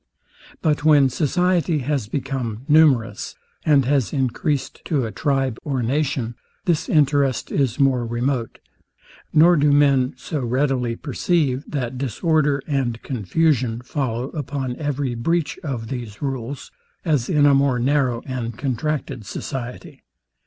But when society has become numerous, and has encreased to a tribe or nation, this interest is more remote; nor do men so readily perceive, that disorder and confusion follow upon every breach of these rules, as in a more narrow and contracted society.